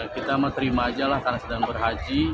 kita terima aja lah karena sedang berhaji